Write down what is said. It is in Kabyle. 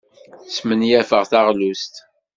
Smenyafeɣ taɣlust.